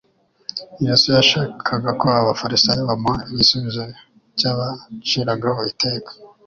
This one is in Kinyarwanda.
Yesu yashakaga ko abafarisayo bamuha igisubizo cyabaciragaho iteka.